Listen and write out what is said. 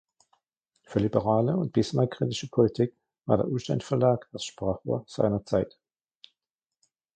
Für liberale und Bismarck-kritische Politik war der Ullstein-Verlag das Sprachrohr seiner Zeit.